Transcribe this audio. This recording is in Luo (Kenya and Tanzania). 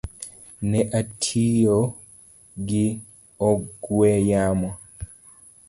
Ne atiyo gi ong’we yamo